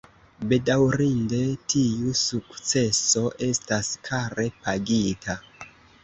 Bedaŭrinde, tiu sukceso estas kare pagita.